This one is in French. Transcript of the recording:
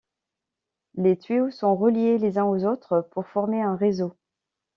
Les tuyaux sont reliés les uns aux autres pour former un réseau.